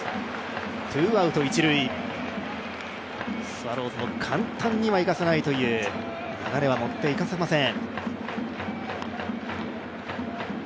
スワローズも簡単にはいかせないという、流れは持っていかせません。